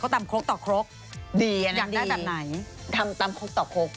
เขาตำครบต่อครบดีอันนั้นอยากได้แบบไหนทำตำครบต่อครบ